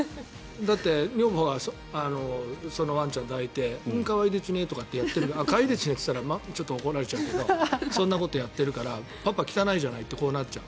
だって、女房はそのワンちゃんを抱いて可愛いでちゅねとかってやってる可愛いでちゅねとか言ったらちょっと怒られちゃうけどそんなことをやっているからパパ、汚いじゃないって怒られちゃう。